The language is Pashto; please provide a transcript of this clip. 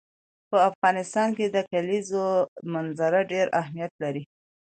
په افغانستان کې د کلیزو منظره ډېر اهمیت لري.